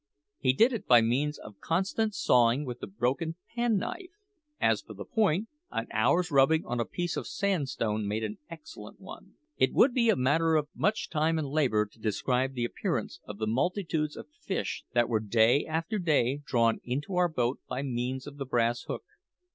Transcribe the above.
He did it by means of constant sawing with the broken penknife. As for the point, an hour's rubbing on a piece of sandstone made an excellent one. It would be a matter of much time and labour to describe the appearance of the multitudes of fish that were day after day drawn into our boat by means of the brass hook.